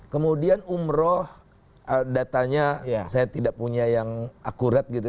kemudian umroh datanya saya tidak punya yang akurat gitu